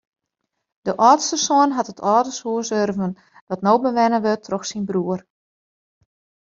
De âldste soan hat it âldershûs urven dat no bewenne wurdt troch syn broer.